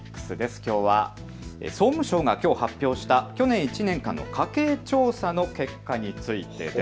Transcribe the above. きょうは総務省がきょう発表した去年１年間の家計調査の結果についてです。